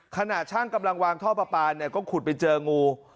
ขนาดช่างกำลังวางท่อประปาก็ขุดไปเจองู